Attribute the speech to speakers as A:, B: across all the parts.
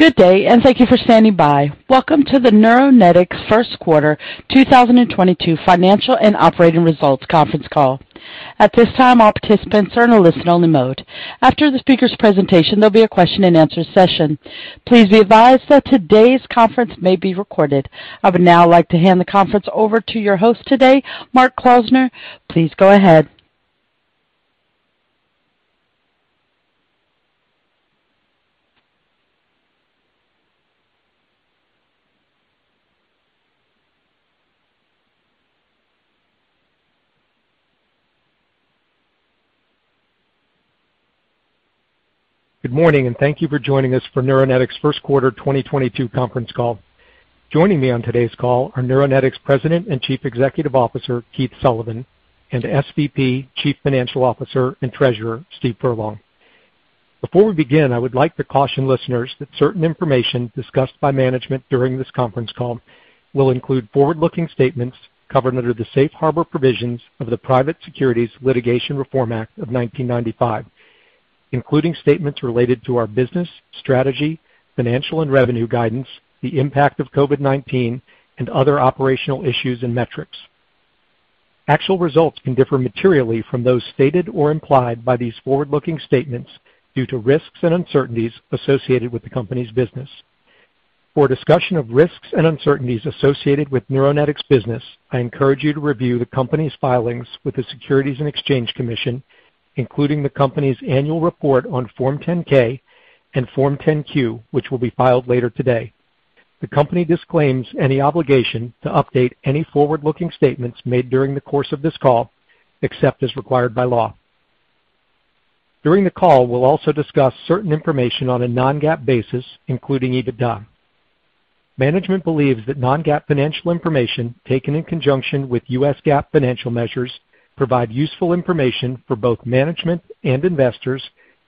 A: Good day, and thank you for standing by. Welcome to the Neuronetics first quarter 2022 financial and operating results conference call. At this time, all participants are in a listen-only mode. After the speaker's presentation, there'll be a question-and-answer session. Please be advised that today's conference may be recorded. I would now like to hand the conference over to your host today, Mark Klausner. Please go ahead.
B: Good morning, and thank you for joining us for Neuronetics first quarter 2022 conference call. Joining me on today's call are Neuronetics President and Chief Executive Officer, Keith Sullivan, and SVP, Chief Financial Officer and Treasurer, Steve Furlong. Before we begin, I would like to caution listeners that certain information discussed by management during this conference call will include forward-looking statements covered under the safe harbor provisions of the Private Securities Litigation Reform Act of 1995, including statements related to our business, strategy, financial and revenue guidance, the impact of COVID-19, and other operational issues and metrics. Actual results can differ materially from those stated or implied by these forward-looking statements due to risks and uncertainties associated with the company's business. For a discussion of risks and uncertainties associated with Neuronetics business, I encourage you to review the company's filings with the Securities and Exchange Commission, including the company's annual report on Form 10-K and Form 10-Q, which will be filed later today. The company disclaims any obligation to update any forward-looking statements made during the course of this call, except as required by law. During the call, we'll also discuss certain information on a non-GAAP basis, including EBITDA. Management believes that non-GAAP financial information taken in conjunction with U.S. GAAP financial measures provide useful information for both management and investors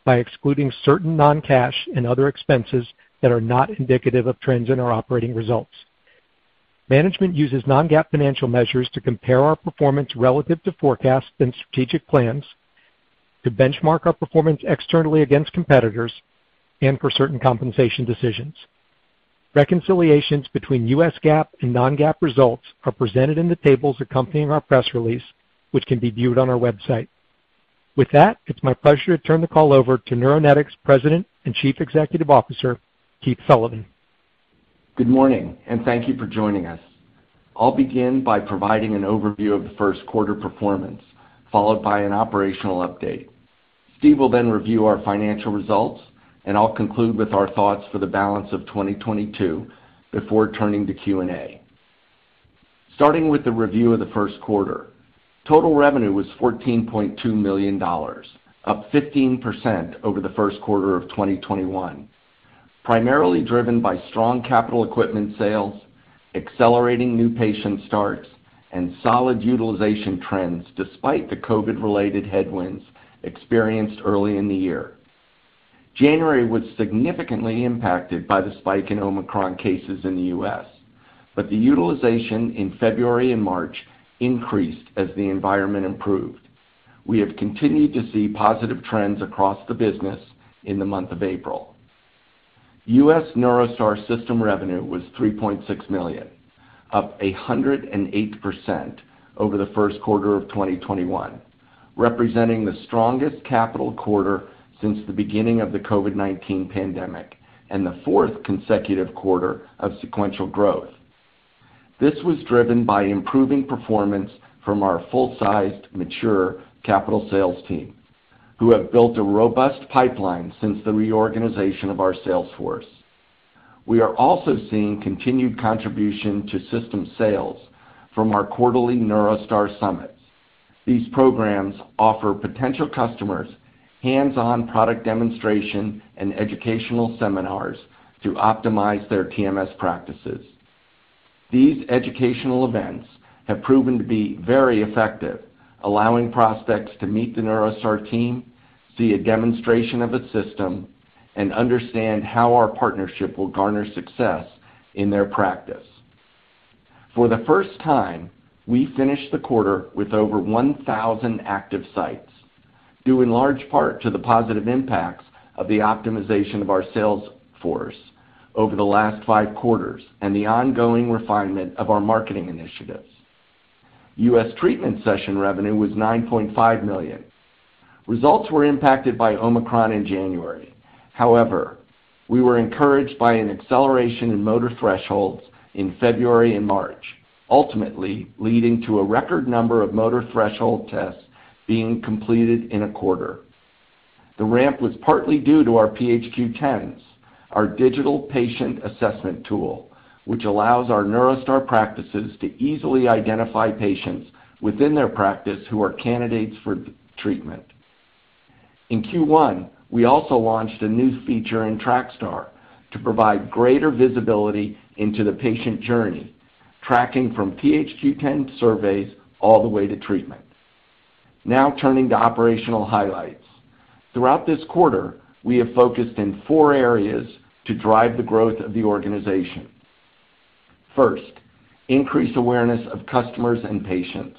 B: by excluding certain non-cash and other expenses that are not indicative of trends in our operating results. Management uses non-GAAP financial measures to compare our performance relative to forecasts and strategic plans, to benchmark our performance externally against competitors, and for certain compensation decisions. Reconciliations between U.S. GAAP and non-GAAP results are presented in the tables accompanying our press release, which can be viewed on our website. With that, it's my pleasure to turn the call over to Neuronetics President and Chief Executive Officer, Keith Sullivan.
C: Good morning, and thank you for joining us. I'll begin by providing an overview of the first quarter performance, followed by an operational update. Steve will then review our financial results, and I'll conclude with our thoughts for the balance of 2022 before turning to Q&A. Starting with the review of the Q1. Total revenue was $14.2 million, up 15% over the first quarter of 2021, primarily driven by strong capital equipment sales, accelerating new patient starts, and solid utilization trends despite the COVID-related headwinds experienced early in the year. January was significantly impacted by the spike in Omicron cases in the U.S., but the utilization in February and March increased as the environment improved. We have continued to see positive trends across the business in the month of April. US NeuroStar system revenue was $3.6 million, up 108% over the first quarter of 2021, representing the strongest capital quarter since the beginning of the COVID-19 pandemic and the fourth consecutive quarter of sequential growth. This was driven by improving performance from our full-sized mature capital sales team, who have built a robust pipeline since the reorganization of our sales force. We are also seeing continued contribution to system sales from our quarterly NeuroStar summits. These programs offer potential customers hands-on product demonstration and educational seminars to optimize their TMS practices. These educational events have proven to be very effective, allowing prospects to meet the NeuroStar team, see a demonstration of its system, and understand how our partnership will garner success in their practice. For the first time, we finished the quarter with over 1,000 active sites, due in large part to the positive impacts of the optimization of our sales force over the last 5 quarters and the ongoing refinement of our marketing initiatives. U.S. treatment session revenue was $9.5 million. Results were impacted by Omicron in January. However, we were encouraged by an acceleration in motor thresholds in February and March, ultimately leading to a record number of motor threshold tests being completed in a quarter. The ramp was partly due to our PHQ-10s, our digital patient assessment tool, which allows our NeuroStar practices to easily identify patients within their practice who are candidates for treatment. In Q1, we also launched a new feature in TrakStar to provide greater visibility into the patient journey, tracking from PHQ-10 surveys all the way to treatment. Now turning to operational highlights. Throughout this quarter, we have focused in four areas to drive the growth of the organization. First, increased awareness of customers and patients.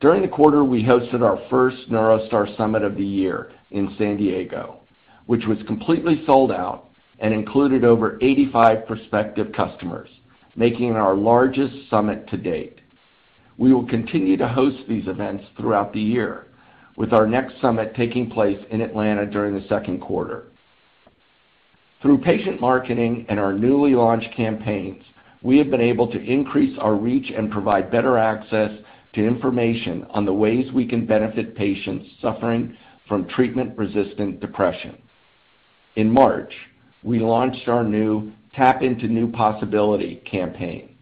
C: During the quarter, we hosted our first NeuroStar summit of the year in San Diego, which was completely sold out and included over 85 prospective customers, making it our largest summit to date. We will continue to host these events throughout the year, with our next summit taking place in Atlanta during the second quarter. Through patient marketing and our newly launched campaigns, we have been able to increase our reach and provide better access to information on the ways we can benefit patients suffering from treatment-resistant depression. In March, we launched our new Tap Into New Possibilities campaign,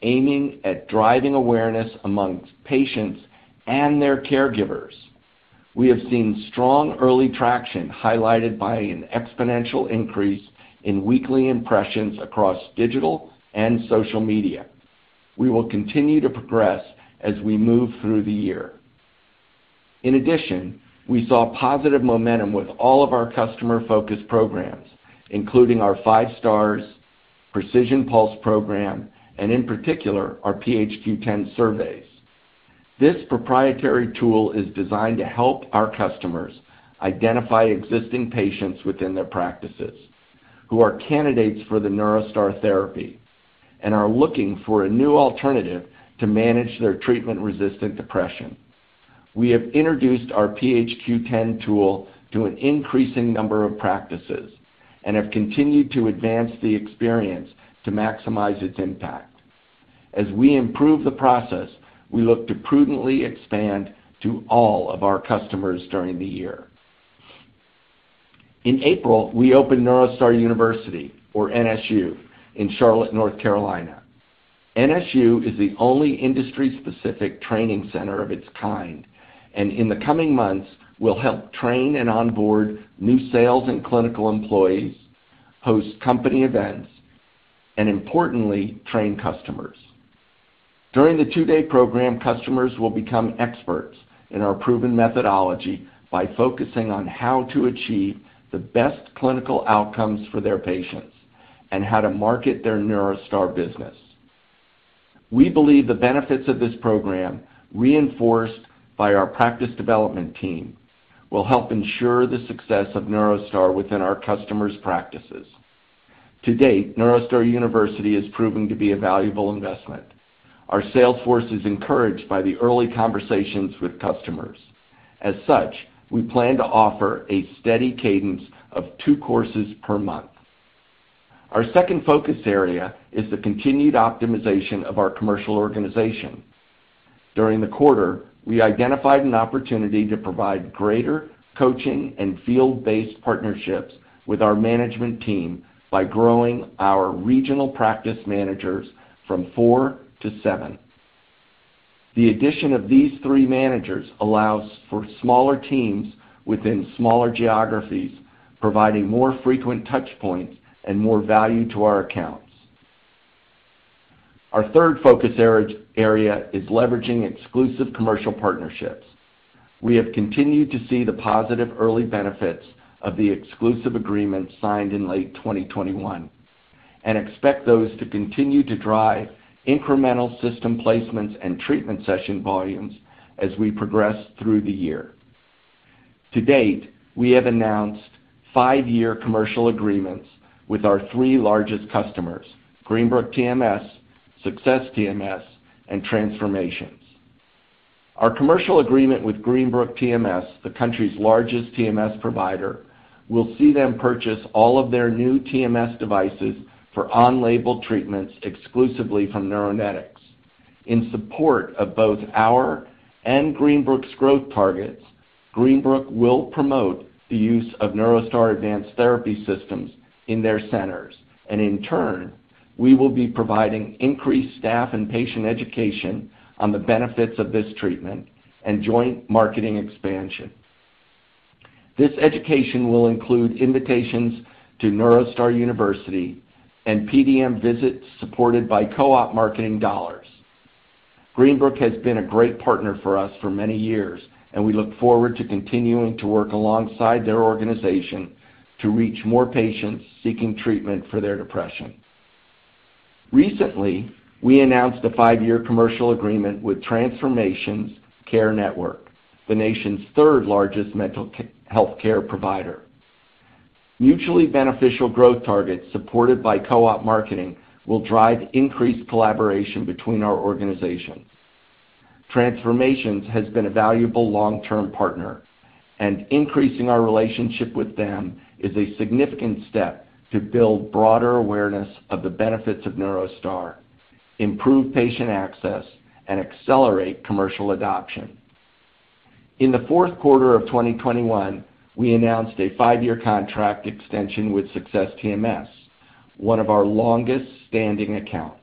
C: aiming at driving awareness among patients and their caregivers. We have seen strong early traction, highlighted by an exponential increase in weekly impressions across digital and social media. We will continue to progress as we move through the year. In addition, we saw positive momentum with all of our customer-focused programs, including our 5 Star, Precision Pulse program, and in particular, our PHQ-10 surveys. This proprietary tool is designed to help our customers identify existing patients within their practices who are candidates for the NeuroStar therapy and are looking for a new alternative to manage their treatment-resistant depression. We have introduced our PHQ-10 tool to an increasing number of practices and have continued to advance the experience to maximize its impact. As we improve the process, we look to prudently expand to all of our customers during the year. In April, we opened NeuroStar University, or NSU, in Charlotte, North Carolina. NSU is the only industry-specific training center of its kind, and in the coming months, we'll help train and onboard new sales and clinical employees, host company events, and importantly, train customers. During the two-day program, customers will become experts in our proven methodology by focusing on how to achieve the best clinical outcomes for their patients and how to market their NeuroStar business. We believe the benefits of this program, reinforced by our practice development team, will help ensure the success of NeuroStar within our customers' practices. To date, NeuroStar University has proven to be a valuable investment. Our sales force is encouraged by the early conversations with customers. As such, we plan to offer a steady cadence of two courses per month. Our second focus area is the continued optimization of our commercial organization. During the quarter, we identified an opportunity to provide greater coaching and field-based partnerships with our management team by growing our regional practice managers from four to seven. The addition of these three managers allows for smaller teams within smaller geographies, providing more frequent touch points and more value to our accounts. Our third focus area is leveraging exclusive commercial partnerships. We have continued to see the positive early benefits of the exclusive agreement signed in late 2021 and expect those to continue to drive incremental system placements and treatment session volumes as we progress through the year. To date, we have announced five-year commercial agreements with our three largest customers, Greenbrook TMS, Success TMS, and Transformations. Our commercial agreement with Greenbrook TMS, the country's largest TMS provider, will see them purchase all of their new TMS devices for on-label treatments exclusively from Neuronetics. In support of both our and Greenbrook's growth targets, Greenbrook will promote the use of NeuroStar Advanced Therapy systems in their centers, and in turn, we will be providing increased staff and patient education on the benefits of this treatment and joint marketing expansion. This education will include invitations to NeuroStar University and PDM visits supported by co-op marketing dollars. Greenbrook has been a great partner for us for many years, and we look forward to continuing to work alongside their organization to reach more patients seeking treatment for their depression. Recently, we announced a five-year commercial agreement with Transformations Care Network, the nation's third-largest mental healthcare provider. Mutually beneficial growth targets supported by co-op marketing will drive increased collaboration between our organizations. Transformations has been a valuable long-term partner, and increasing our relationship with them is a significant step to build broader awareness of the benefits of NeuroStar, improve patient access, and accelerate commercial adoption. In the fourth quarter of 2021, we announced a five-year contract extension with Success TMS, one of our longest-standing accounts.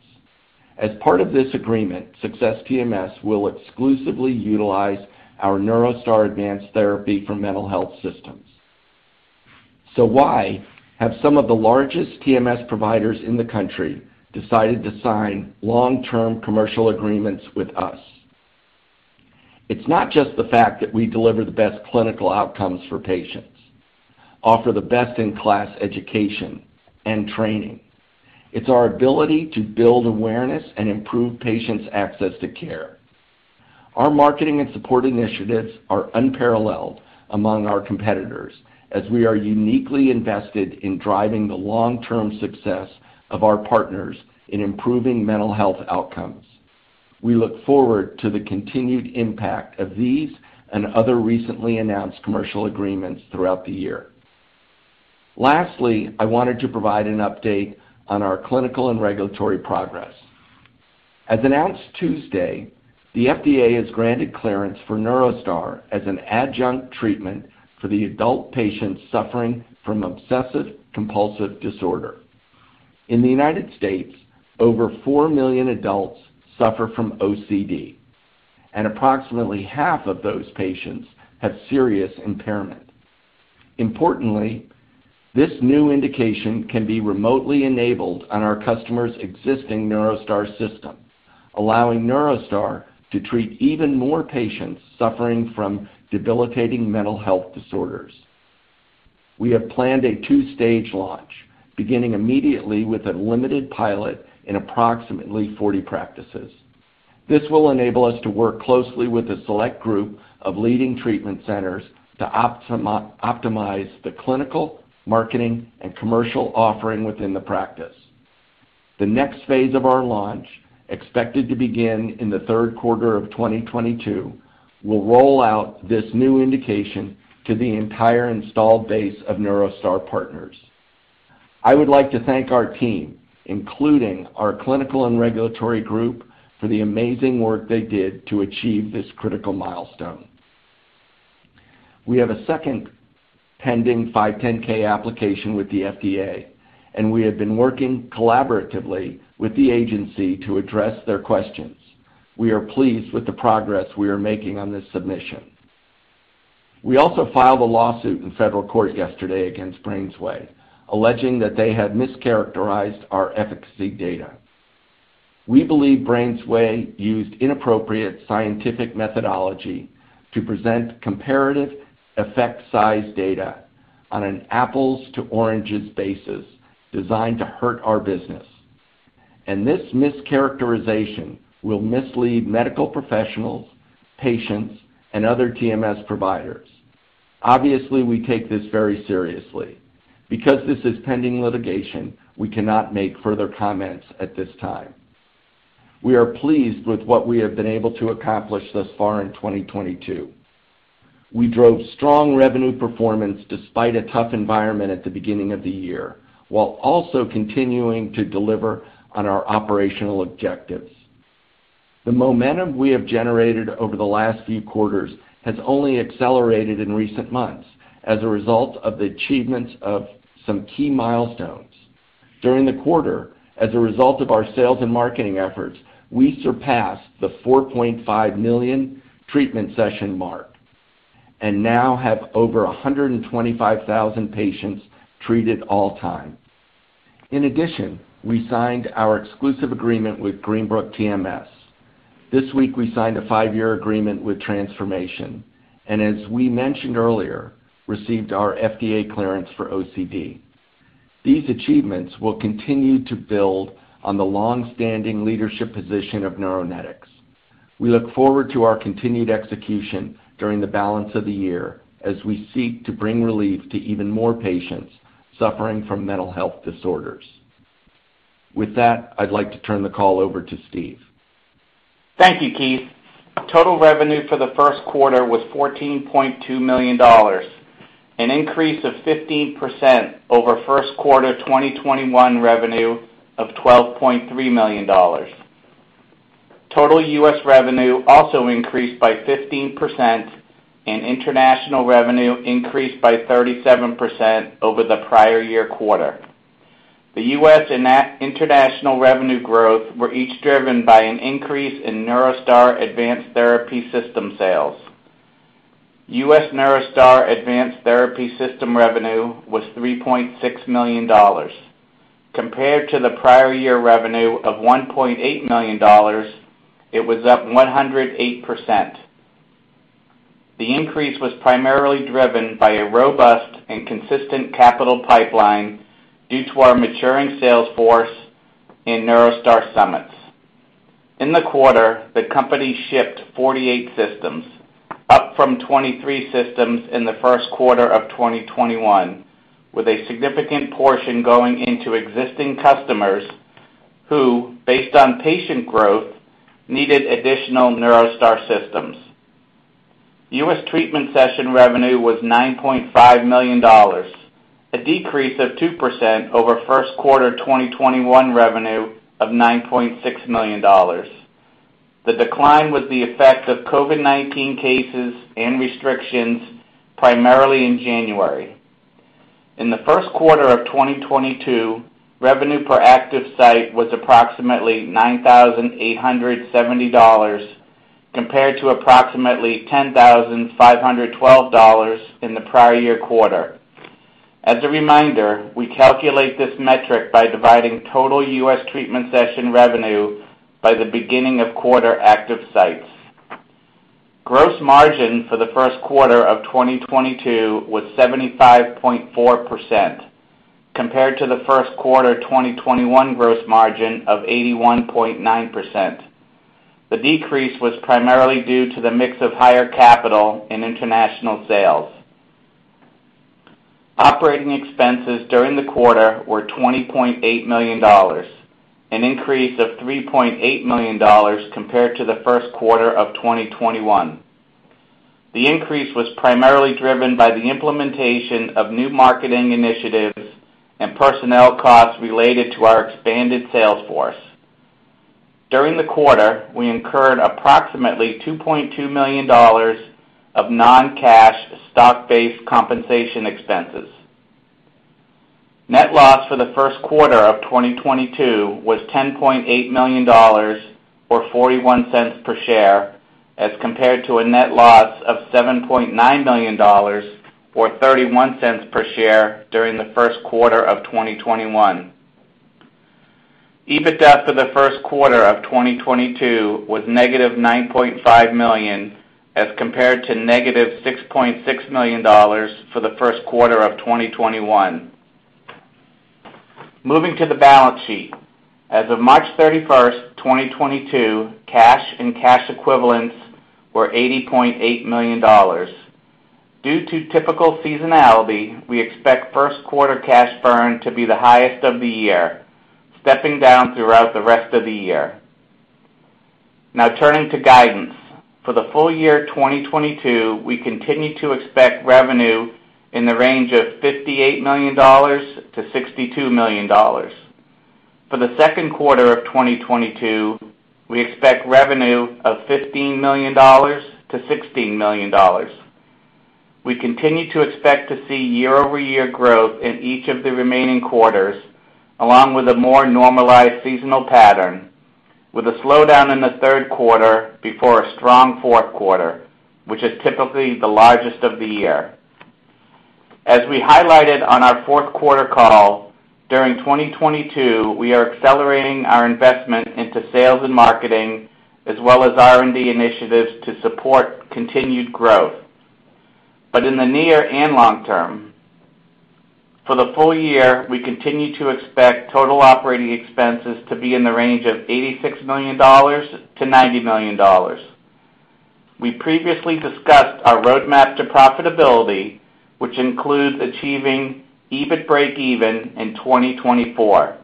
C: As part of this agreement, Success TMS will exclusively utilize our NeuroStar Advanced Therapy for mental health systems. Why have some of the largest TMS providers in the country decided to sign long-term commercial agreements with us? It's not just the fact that we deliver the best clinical outcomes for patients, offer the best-in-class education and training. It's our ability to build awareness and improve patients' access to care. Our marketing and support initiatives are unparalleled among our competitors as we are uniquely invested in driving the long-term success of our partners in improving mental health outcomes. We look forward to the continued impact of these and other recently announced commercial agreements throughout the year. Lastly, I wanted to provide an update on our clinical and regulatory progress. As announced Tuesday, the FDA has granted clearance for NeuroStar as an adjunct treatment for adult patients suffering from obsessive compulsive disorder. In the United States, over 4 million adults suffer from OCD, and approximately half of those patients have serious impairment. Importantly, this new indication can be remotely enabled on our customers' existing NeuroStar system, allowing NeuroStar to treat even more patients suffering from debilitating mental health disorders. We have planned a two-stage launch, beginning immediately with a limited pilot in approximately 40 practices. This will enable us to work closely with a select group of leading treatment centers to optimize the clinical, marketing, and commercial offering within the practice. The next phase of our launch, expected to begin in the Q3 of 2022, will roll out this new indication to the entire installed base of NeuroStar partners. I would like to thank our team, including our clinical and regulatory group for the amazing work they did to achieve this critical milestone. We have a second pending 510(k) application with the FDA, and we have been working collaboratively with the agency to address their questions. We are pleased with the progress we are making on this submission. We also filed a lawsuit in federal court yesterday against BrainsWay, alleging that they had mischaracterized our efficacy data. We believe BrainsWay used inappropriate scientific methodology to present comparative effect size data on an apples-to-oranges basis designed to hurt our business, and this mischaracterization will mislead medical professionals, patients, and other TMS providers. Obviously, we take this very seriously. Because this is pending litigation, we cannot make further comments at this time. We are pleased with what we have been able to accomplish thus far in 2022. We drove strong revenue performance despite a tough environment at the beginning of the year, while also continuing to deliver on our operational objectives. The momentum we have generated over the last few quarters has only accelerated in recent months as a result of the achievements of some key milestones. During the quarter, as a result of our sales and marketing efforts, we surpassed the 4.5 million treatment session mark and now have over 125,000 patients treated all-time. In addition, we signed our exclusive agreement with Greenbrook TMS. This week we signed a 5-year agreement with Transformations, and as we mentioned earlier, received our FDA clearance for OCD. These achievements will continue to build on the long-standing leadership position of Neuronetics. We look forward to our continued execution during the balance of the year as we seek to bring relief to even more patients suffering from mental health disorders. With that, I'd like to turn the call over to Steve.
D: Thank you, Keith. Total revenue for the Q1 was $14.2 million, an increase of 15% over Q1 2021 revenue of $12.3 million. Total U.S. revenue also increased by 15%, and international revenue increased by 37% over the prior year quarter. The U.S. and international revenue growth were each driven by an increase in NeuroStar Advanced Therapy System sales. U.S. NeuroStar Advanced Therapy System revenue was $3.6 million. Compared to the prior year revenue of $1.8 million, it was up 108%. The increase was primarily driven by a robust and consistent capital pipeline due to our maturing sales force in NeuroStar summits. In the quarter, the company shipped 48 systems, up from 23 systems in the first quarter of 2021, with a significant portion going into existing customers who, based on patient growth, needed additional NeuroStar systems. U.S. treatment session revenue was $9.5 million, a decrease of 2% over Q1 2021 revenue of $9.6 million. The decline was the effect of COVID-19 cases and restrictions primarily in January. In the Q1 of 2022, revenue per active site was approximately $9,870 compared to approximately $10,512 in the prior year quarter. As a reminder, we calculate this metric by dividing total U.S. treatment session revenue by the beginning of quarter active sites. Gross margin for the Q1 of 2022 was 75.4% compared to the Q1 of 2021 gross margin of 81.9%. The decrease was primarily due to the mix of higher capital in international sales. Operating expenses during the quarter were $20.8 million, an increase of $3.8 million compared to the Q1 of 2021. The increase was primarily driven by the implementation of new marketing initiatives and personnel costs related to our expanded sales force. During the quarter, we incurred approximately $2.2 million of non-cash stock-based compensation expenses. Net loss for the Q1 of 2022 was $10.8 million or $0.41 per share, as compared to a net loss of $7.9 million or $0.31 per share during the Q1 of 2021. EBITDA for the Q1 of 2022 was -$9.5 million as compared to -$6.6 million for the Q1 of 2021. Moving to the balance sheet. As of March 31st, 2022, cash and cash equivalents were $80.8 million. Due to typical seasonality, we expect first quarter cash burn to be the highest of the year, stepping down throughout the rest of the year. Now turning to guidance. For the full year 2022, we continue to expect revenue in the range of $58 million to $62 million. For the second quarter of 2022, we expect revenue of $15 million to $16 million. We continue to expect to see year-over-year growth in each of the remaining quarters, along with a more normalized seasonal pattern, with a slowdown in the Q3 before a strong Q4, which is typically the largest of the year. As we highlighted on our Q4 call, during 2022, we are accelerating our investment into sales and marketing as well as R&D initiatives to support continued growth, but in the near and long term. For the full year, we continue to expect total operating expenses to be in the range of $86 million-$90 million. We previously discussed our roadmap to profitability, which includes achieving EBIT breakeven in 2024.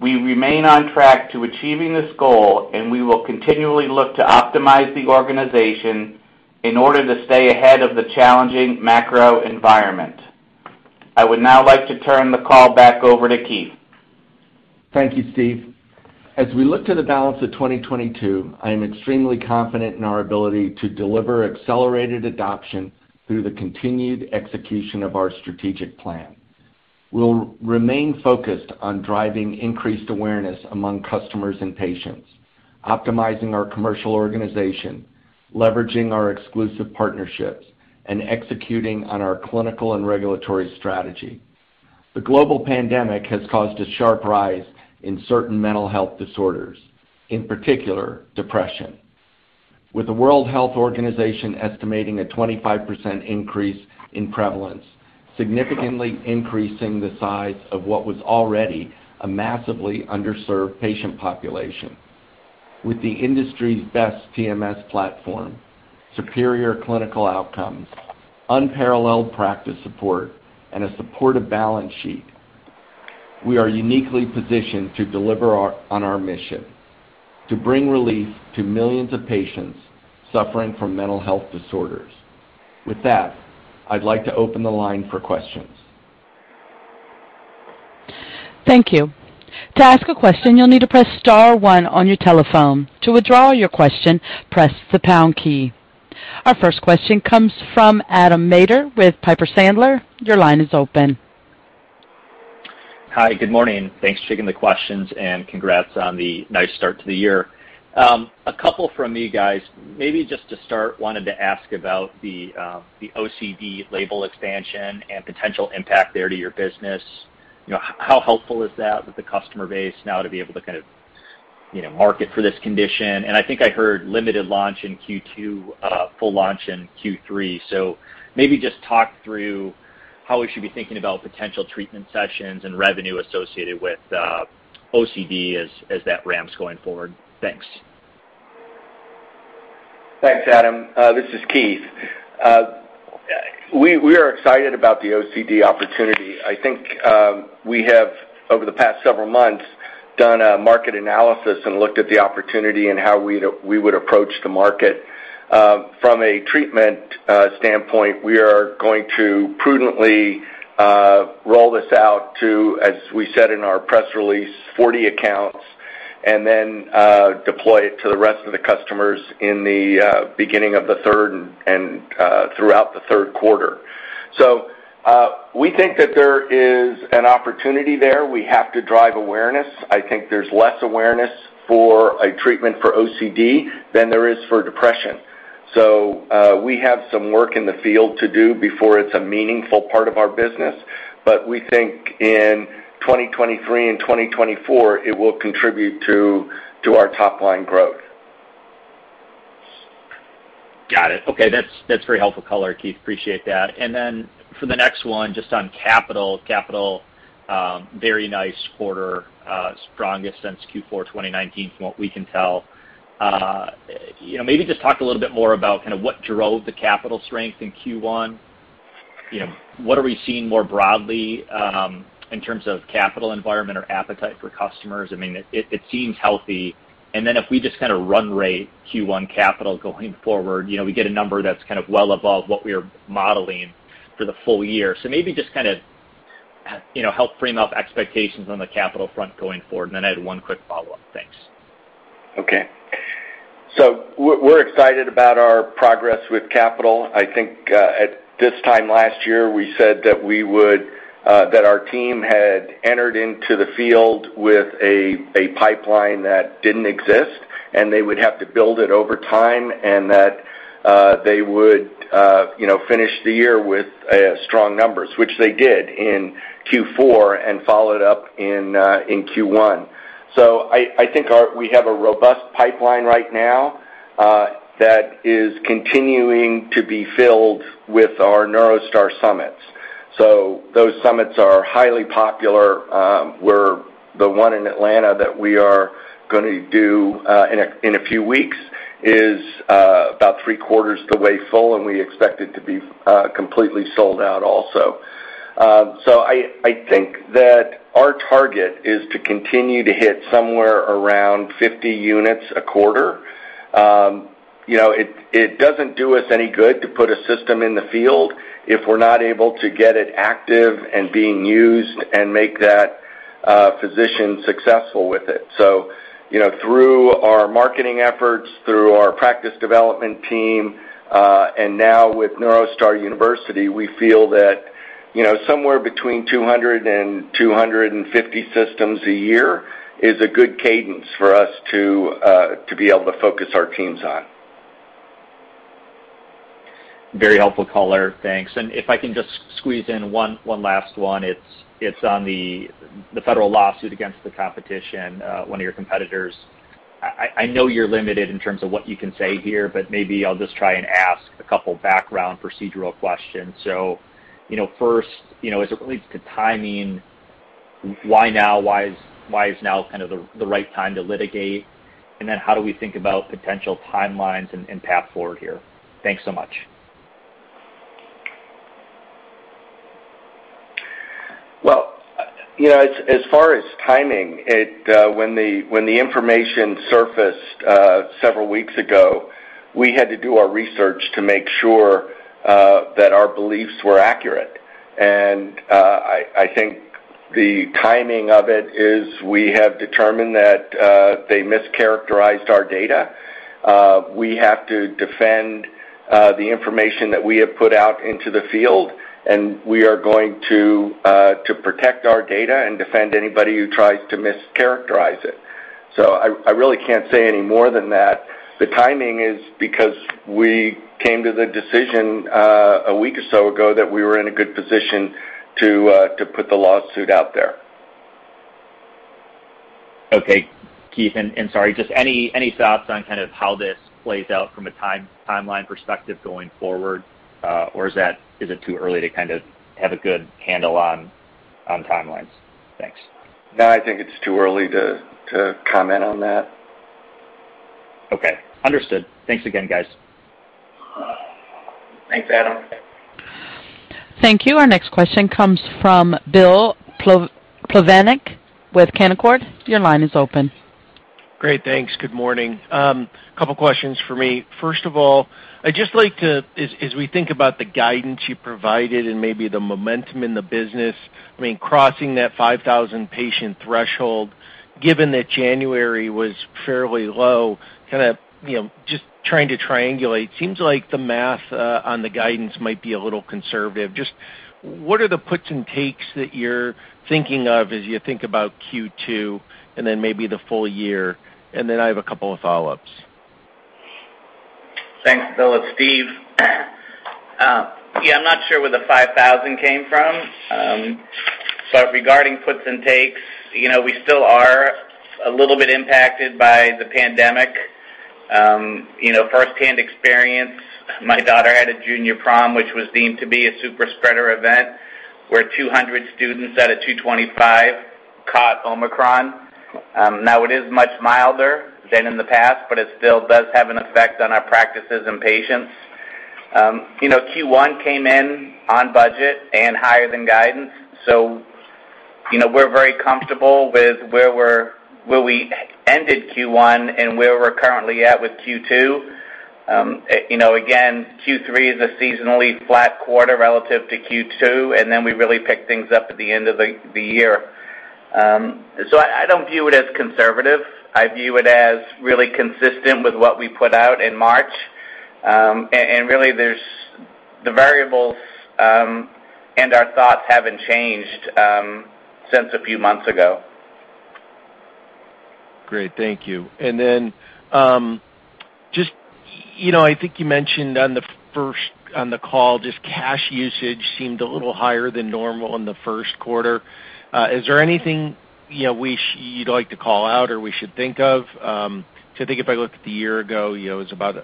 D: We remain on track to achieving this goal, and we will continually look to optimize the organization in order to stay ahead of the challenging macro environment. I would now like to turn the call back over to Keith.
C: Thank you, Steve. As we look to the balance of 2022, I am extremely confident in our ability to deliver accelerated adoption through the continued execution of our strategic plan. We'll remain focused on driving increased awareness among customers and patients, optimizing our commercial organization, leveraging our exclusive partnerships, and executing on our clinical and regulatory strategy. The global pandemic has caused a sharp rise in certain mental health disorders, in particular depression, with the World Health Organization estimating a 25% increase in prevalence, significantly increasing the size of what was already a massively underserved patient population. With the industry's best TMS platform, superior clinical outcomes, unparalleled practice support, and a supportive balance sheet, we are uniquely positioned to deliver on our mission to bring relief to millions of patients suffering from mental health disorders. With that, I'd like to open the line for questions.
A: Thank you. To ask a question, you'll need to press star one on your telephone. To withdraw your question, press the pound key. Our first question comes from Adam Maeder with Piper Sandler. Your line is open.
E: Hi. Good morning. Thanks for taking the questions, and congrats on the nice start to the year. A couple from me, guys. Maybe just to start, wanted to ask about the OCD label expansion and potential impact there to your business. You know, how helpful is that with the customer base now to be able to kind of, you know, market for this condition? I think I heard limited launch in Q2, full launch in Q3. Maybe just talk through how we should be thinking about potential treatment sessions and revenue associated with OCD as that ramps going forward. Thanks.
C: Thanks, Adam. This is Keith. We are excited about the OCD opportunity. I think we have, over the past several months, done a market analysis and looked at the opportunity and how we would approach the market. From a treatment standpoint, we are going to prudently roll this out to, as we said in our press release, 40 accounts and then deploy it to the rest of the customers in the beginning of the third and throughout the third quarter. We think that there is an opportunity there. We have to drive awareness. I think there's less awareness for a treatment for OCD than there is for depression. We have some work in the field to do before it's a meaningful part of our business. We think in 2023 and 2024, it will contribute to our top line growth.
E: Got it. Okay. That's very helpful color, Keith. Appreciate that. For the next one, just on capital. Capital very nice quarter, strongest since Q4 2019 from what we can tell. You know, maybe just talk a little bit more about kind of what drove the capital strength in Q1. You know, what are we seeing more broadly in terms of capital environment or appetite for customers? I mean, it seems healthy. If we just kind of run rate Q1 capital going forward, you know, we get a number that's kind of well above what we are modeling for the full year. Maybe just kind of, you know, help frame up expectations on the capital front going forward. I had one quick follow-up. Thanks.
C: Okay. We're excited about our progress with capital. I think at this time last year, we said that our team had entered into the field with a pipeline that didn't exist, and they would have to build it over time, and that they would you know finish the year with strong numbers, which they did in Q4 and followed up in Q1. I think we have a robust pipeline right now that is continuing to be filled with our NeuroStar summits. Those summits are highly popular. The one in Atlanta that we are gonna do in a few weeks is about three-quarters the way full, and we expect it to be completely sold out also. I think that our target is to continue to hit somewhere around 50 units a quarter. You know, it doesn't do us any good to put a system in the field if we're not able to get it active and being used and make that physician successful with it. You know, through our marketing efforts, through our practice development team, and now with NeuroStar University, we feel that, you know, somewhere between 200 and 250 systems a year is a good cadence for us to be able to focus our teams on.
E: Very helpful color. Thanks. If I can just squeeze in one last one. It's on the federal lawsuit against the competition, one of your competitors. I know you're limited in terms of what you can say here, but maybe I'll just try and ask a couple background procedural questions. You know, first, you know, as it relates to timing, why now? Why is now kind of the right time to litigate? And then how do we think about potential timelines and path forward here? Thanks so much.
C: Well, you know, as far as timing, when the information surfaced several weeks ago, we had to do our research to make sure that our beliefs were accurate. I think the timing of it is we have determined that they mischaracterized our data. We have to defend the information that we have put out into the field, and we are going to protect our data and defend anybody who tries to mischaracterize it. I really can't say any more than that. The timing is because we came to the decision a week or so ago that we were in a good position to put the lawsuit out there.
E: Okay. Keith, and sorry, just any thoughts on kind of how this plays out from a timeline perspective going forward? Or is it too early to kind of have a good handle on timelines? Thanks.
C: No, I think it's too early to comment on that.
E: Okay. Understood. Thanks again, guys.
D: Thanks, Adam.
A: Thank you. Our next question comes from Bill Plovanic with Canaccord. Your line is open.
F: Great. Thanks. Good morning. A couple questions for me. First of all, as we think about the guidance you provided and maybe the momentum in the business, I mean, crossing that 5,000 patient threshold, given that January was fairly low, kind of, you know, just trying to triangulate, seems like the math on the guidance might be a little conservative. Just what are the puts and takes that you're thinking of as you think about Q2 and then maybe the full year? I have a couple of follow-ups.
D: Thanks, Bill. It's Steve. Yeah, I'm not sure where the 5,000 came from. But regarding puts and takes, you know, we still are a little bit impacted by the pandemic. You know, firsthand experience, my daughter had a junior prom, which was deemed to be a super spreader event, where 200 students out of 225 caught Omicron. Now it is much milder than in the past, but it still does have an effect on our practices and patients. You know, Q1 came in on budget and higher than guidance. You know, we're very comfortable with where we ended Q1 and where we're currently at with Q2. You know, again, Q3 is a seasonally flat quarter relative to Q2, and then we really pick things up at the end of the year. I don't view it as conservative. I view it as really consistent with what we put out in March. Really, there's the variables and our thoughts haven't changed since a few months ago.
F: Great. Thank you. Then, just, you know, I think you mentioned on the call, just cash usage seemed a little higher than normal in the first quarter. Is there anything, you know, you'd like to call out or we should think of? I think if I look at the year ago, you know, it was about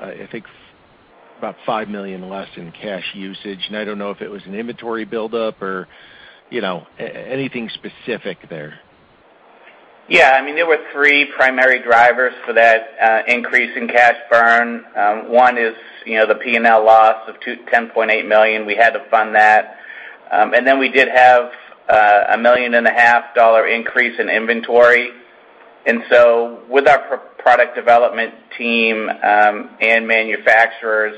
F: $5 million less in cash usage, and I don't know if it was an inventory buildup or, you know, anything specific there.
D: Yeah. I mean, there were three primary drivers for that increase in cash burn. One is, you know, the P&L loss of $10.8 million. We had to fund that. And then we did have a $1.5 million increase in inventory. With our product development team and manufacturers,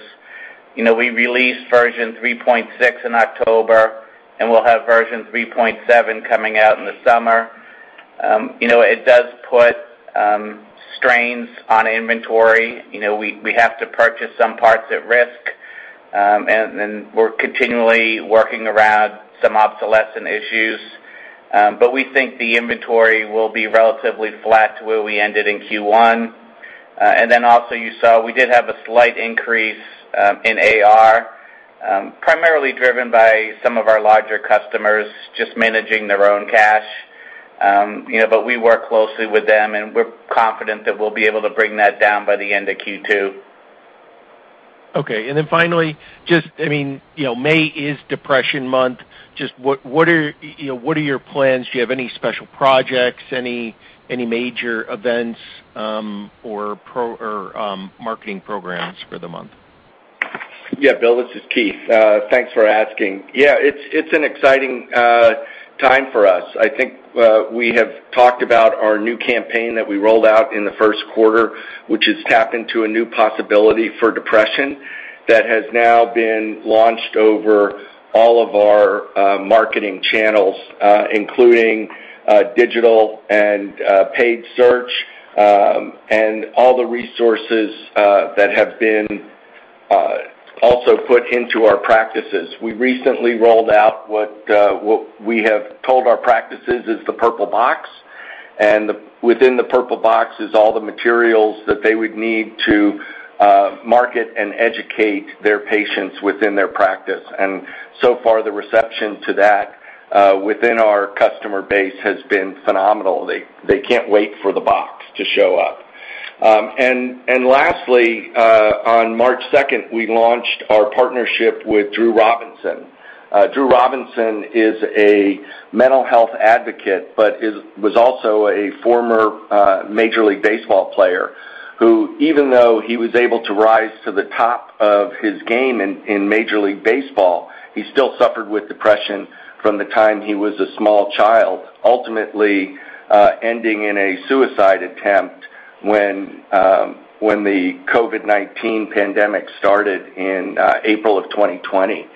D: you know, we released version 3.6 in October, and we'll have version 3.7 coming out in the summer. You know, it does put strains on inventory. You know, we have to purchase some parts at risk. And then we're continually working around some obsolescence issues. But we think the inventory will be relatively flat to where we ended in Q1. You saw we did have a slight increase in AR, primarily driven by some of our larger customers just managing their own cash. You know, we work closely with them, and we're confident that we'll be able to bring that down by the end of Q2.
F: Okay. Finally, just, I mean, you know, May is depression month. Just what are, you know, your plans? Do you have any special projects, any major events, or marketing programs for the month?
C: Yeah. Bill, this is Keith. Thanks for asking. Yeah, it's an exciting time for us. I think we have talked about our new campaign that we rolled out in the first quarter, which is Tap Into New Possibilities for depression that has now been launched over all of our marketing channels, including digital and paid search, and all the resources that have been also put into our practices. We recently rolled out what we have told our practices is the purple box, and within the purple box is all the materials that they would need to market and educate their patients within their practice. So far, the reception to that within our customer base has been phenomenal. They can't wait for the box to show up. Lastly, on March second, we launched our partnership with Drew Robinson. Drew Robinson is a mental health advocate, but was also a former Major League Baseball player, who even though he was able to rise to the top of his game in Major League Baseball, he still suffered with depression from the time he was a small child, ultimately ending in a suicide attempt when the COVID-19 pandemic started in April of 2020.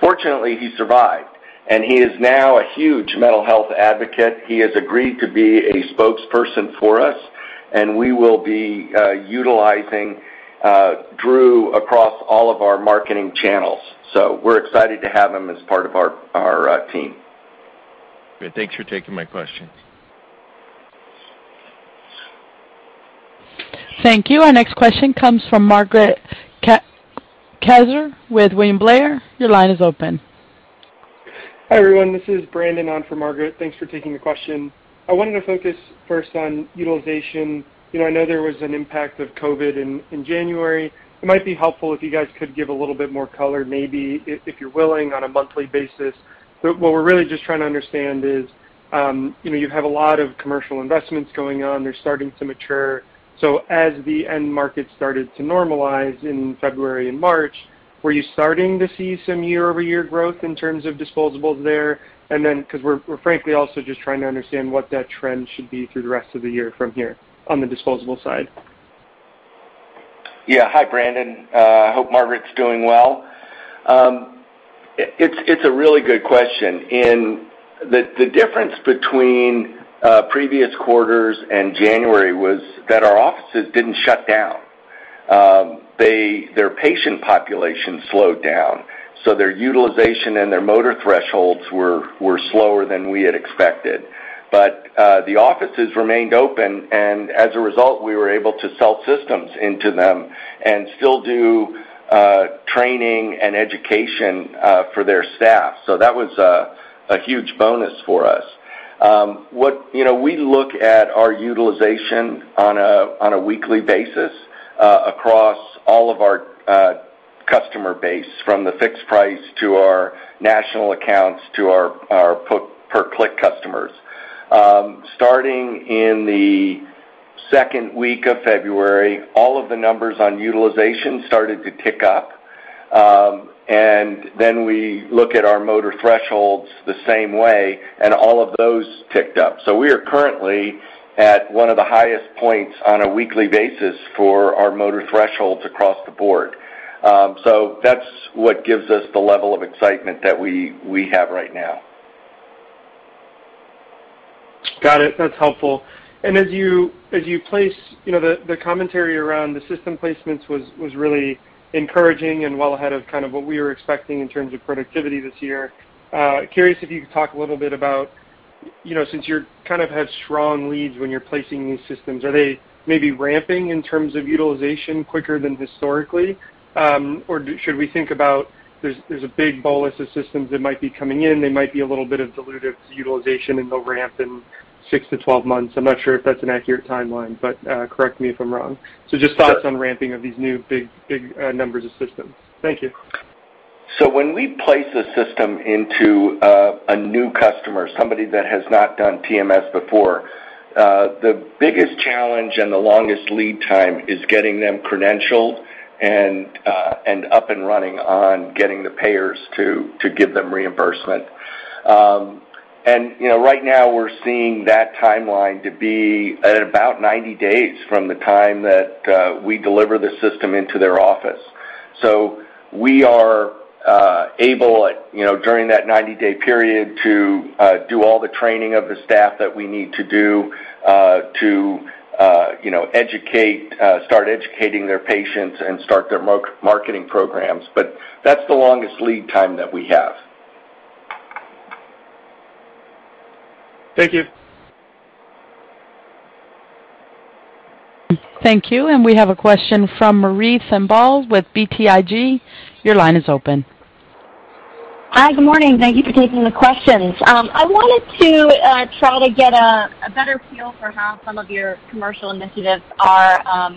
C: Fortunately, he survived, and he is now a huge mental health advocate. He has agreed to be a spokesperson for us, and we will be utilizing Drew across all of our marketing channels. We're excited to have him as part of our team.
F: Good. Thanks for taking my question.
A: Thank you. Our next question comes from Margaret Kaczor with William Blair. Your line is open.
G: Hi, everyone. This is Brandon on for Margaret. Thanks for taking the question. I wanted to focus first on utilization. You know, I know there was an impact of COVID-19 in January. It might be helpful if you guys could give a little bit more color, maybe if you're willing, on a monthly basis. What we're really just trying to understand is, you know, you have a lot of commercial investments going on, they're starting to mature. As the end market started to normalize in February and March, were you starting to see some year-over-year growth in terms of disposables there? 'Cause we're frankly also just trying to understand what that trend should be through the rest of the year from here on the disposable side.
C: Yeah. Hi, Brandon. I hope Margaret's doing well. It's a really good question. In the difference between previous quarters and January was that our offices didn't shut down. Their patient population slowed down, so their utilization and their motor thresholds were slower than we had expected. But the offices remained open, and as a result, we were able to sell systems into them and still do training and education for their staff. That was a huge bonus for us. You know, we look at our utilization on a weekly basis across all of our customer base, from the fixed price to our national accounts to our per-click customers. Starting in the second week of February, all of the numbers on utilization started to tick up. We look at our motor thresholds the same way, and all of those ticked up. We are currently at one of the highest points on a weekly basis for our motor thresholds across the board. That's what gives us the level of excitement that we have right now.
G: Got it. That's helpful. You know, the commentary around the system placements was really encouraging and well ahead of kind of what we were expecting in terms of productivity this year. Curious if you could talk a little bit about. You know, since you're kind of have strong leads when you're placing these systems, are they maybe ramping in terms of utilization quicker than historically? Or should we think about there's a big bolus of systems that might be coming in, they might be a little bit dilutive to utilization, and they'll ramp in 6-12 months? I'm not sure if that's an accurate timeline, but correct me if I'm wrong. Just thoughts on ramping of these new big numbers of systems. Thank you.
C: When we place a system into a new customer, somebody that has not done TMS before, the biggest challenge and the longest lead time is getting them credentialed and up and running on getting the payers to give them reimbursement. You know, right now we're seeing that timeline to be at about 90 days from the time that we deliver the system into their office. We are able, you know, during that 90-day period to do all the training of the staff that we need to do to you know educate start educating their patients and start their marketing programs. That's the longest lead time that we have.
G: Thank you.
A: Thank you. We have a question from Marie Thibault with BTIG. Your line is open.
H: Hi. Good morning. Thank you for taking the questions. I wanted to try to get a better feel for how some of your commercial initiatives are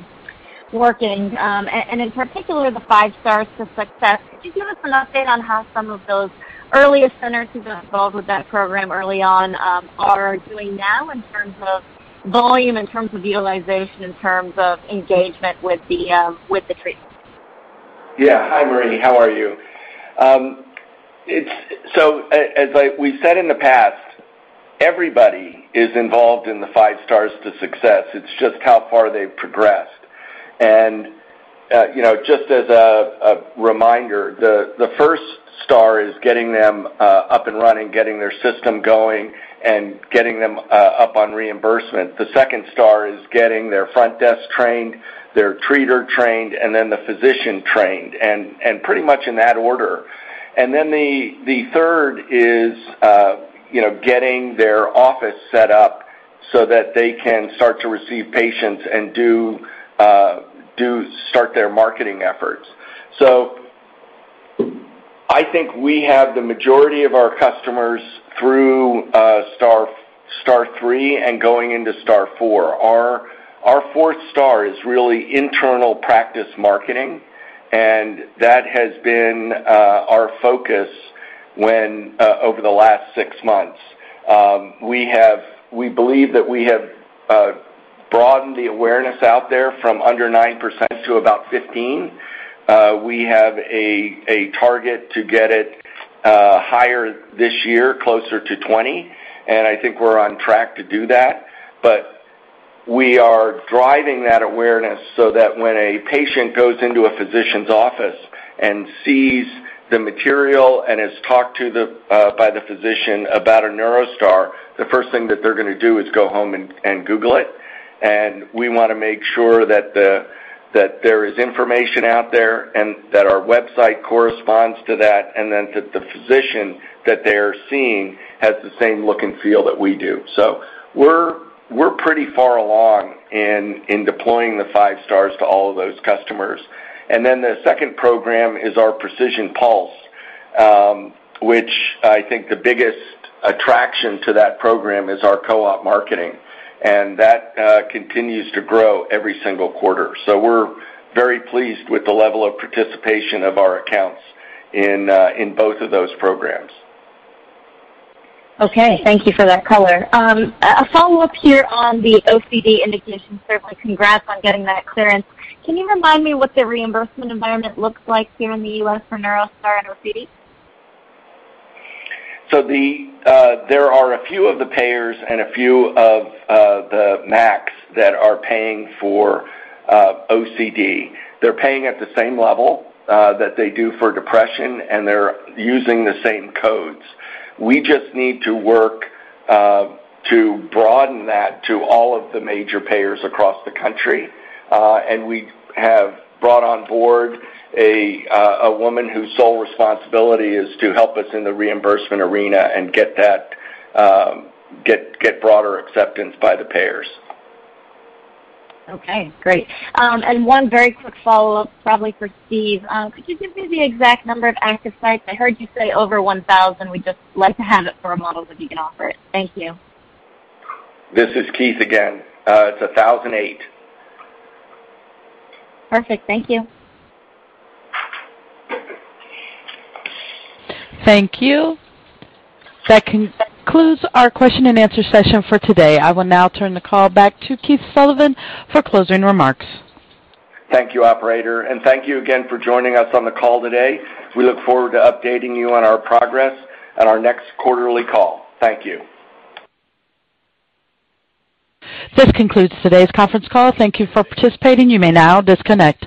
H: working, and in particular, the 5 Stars to Success. Could you give us an update on how some of those earliest centers who got involved with that program early on are doing now in terms of volume, in terms of utilization, in terms of engagement with the treatment?
C: Yeah. Hi, Marie. How are you? As we said in the past, everybody is involved in the 5 Stars to Success. It's just how far they've progressed. Just as a reminder, the first star is getting them up and running, getting their system going, and getting them up on reimbursement. The second star is getting their front desk trained, their treater trained, and then the physician trained, and pretty much in that order. The third is getting their office set up so that they can start to receive patients and do start their marketing efforts. I think we have the majority of our customers through star three and going into star four. Our fourth star is really internal practice marketing, and that has been our focus over the last six months. We believe that we have broadened the awareness out there from under 9% to about 15%. We have a target to get it higher this year, closer to 20%, and I think we're on track to do that. We are driving that awareness so that when a patient goes into a physician's office and sees the material and is talked to by the physician about a NeuroStar, the first thing that they're gonna do is go home and Google it. We wanna make sure that that there is information out there and that our website corresponds to that, and then that the physician that they're seeing has the same look and feel that we do. We're pretty far along in deploying the five stars to all of those customers. Then the second program is our Precision Pulse, which I think the biggest attraction to that program is our co-op marketing, and that continues to grow every single quarter. We're very pleased with the level of participation of our accounts in both of those programs.
H: Okay. Thank you for that color. A follow-up here on the OCD indication. Certainly congrats on getting that clearance. Can you remind me what the reimbursement environment looks like here in the U.S. for NeuroStar and OCD?
C: There are a few of the payers and a few of the MACs that are paying for OCD. They're paying at the same level that they do for depression, and they're using the same codes. We just need to work to broaden that to all of the major payers across the country. We have brought on board a woman whose sole responsibility is to help us in the reimbursement arena and get broader acceptance by the payers.
H: Okay, great. One very quick follow-up, probably for Steve. Could you give me the exact number of active sites? I heard you say over 1,000. We'd just like to have it for a model that you can offer it. Thank you.
C: This is Keith again. It's 1,008.
H: Perfect. Thank you.
A: Thank you. That concludes our question and answer session for today. I will now turn the call back to Keith Sullivan for closing remarks.
C: Thank you, operator. Thank you again for joining us on the call today. We look forward to updating you on our progress at our next quarterly call. Thank you.
A: This concludes today's conference call. Thank you for participating. You may now disconnect.